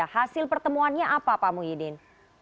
hasil pertemuannya apa pak muhyiddin